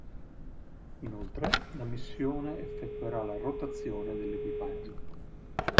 Inoltre, la missione effettuerà la rotazione dell'equipaggio.